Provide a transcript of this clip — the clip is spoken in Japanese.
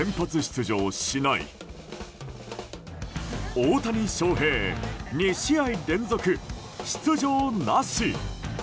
大谷翔平２試合連続出場なし！